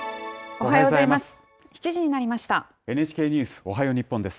おはようございます。